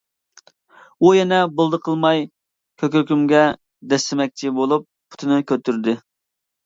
ئۇ يەنە بولدى قىلماي كۆكرىكىمگە دەسسىمەكچى بولۇپ پۇتىنى كۆتۈردى.